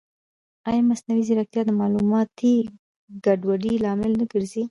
ایا مصنوعي ځیرکتیا د معلوماتي ګډوډۍ لامل نه ګرځي؟